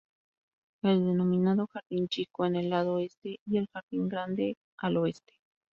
El denominado jardín chico, en el lado este y el jardín grande al oeste.